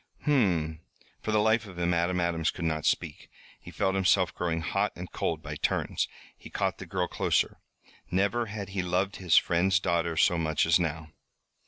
"Hum!" For the life of him Adam Adams could not speak. He felt himself growing hot and cold by turns. He caught the girl closer. Never had he loved his friend's daughter so much as now.